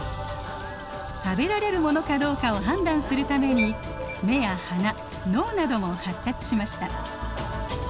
食べられるものかどうかを判断するために眼や鼻脳なども発達しました。